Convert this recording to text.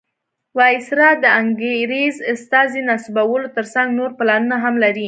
وایسرا د انګریز استازي نصبولو تر څنګ نور پلانونه هم لري.